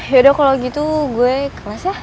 yaudah kalo gitu gue ke kelas ya